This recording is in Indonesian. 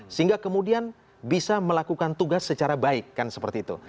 sehingga kemudian bisa melakukan tugas secara baik kan seperti itu